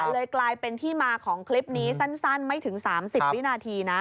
เลยกลายเป็นที่มาของคลิปนี้สั้นไม่ถึง๓๐วินาทีนะ